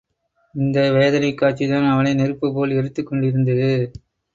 இந்த வேதனைக் காட்சிதான் அவனை நெருப்புப் போல் எரித்துக் கொண்டிருந்தது.